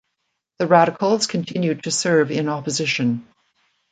The Radicals continued to serve in opposition.